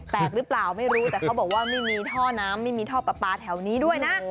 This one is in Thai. หรือเปล่าไม่รู้แต่เขาบอกว่าไม่มีท่อน้ำไม่มีท่อปลาปลาแถวนี้ด้วยนะ